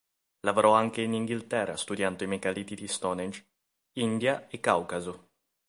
Lavorò anche in Inghilterra, studiando i megaliti di Stonehenge, India e Caucaso.